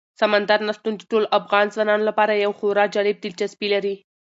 سمندر نه شتون د ټولو افغان ځوانانو لپاره یوه خورا جالب دلچسپي لري.